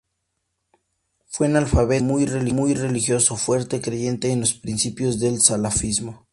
Fue analfabeto y muy religioso, fuerte creyente en los principios del salafismo.